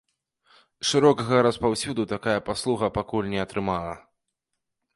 Шырокага распаўсюду такая паслуга пакуль не атрымала.